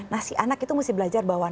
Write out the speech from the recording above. nah si anak itu mesti belajar bahwa